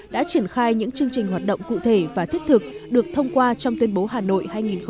đã triển khai những chương trình hoạt động cụ thể và thiết thực được thông qua trong tuyên bố hà nội hai nghìn hai mươi